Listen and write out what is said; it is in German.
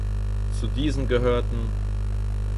Zu diesen gehörten